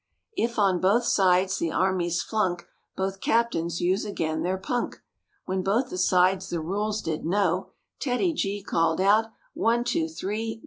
If on both sides the armies flunk Both captains use again their punk." When both the sides the rules did know TEDDY G called out, "One! two! three!